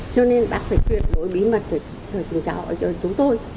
cho nên bác phải truyền đổi bí mật cho chúng tôi